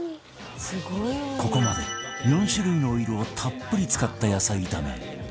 ここまで４種類のオイルをたっぷり使った野菜炒め